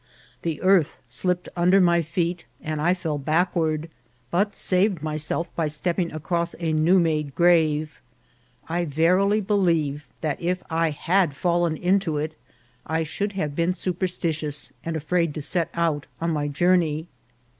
The earth slipped under my feet and I fell backward, but saved myself by stepping across a new made grave. I verily believe that if I had fallen into it, I should have been superstitious, and afraid to set out on my journey.